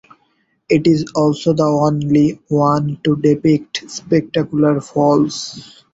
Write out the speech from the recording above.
It is also the only one to depict spectacular falls.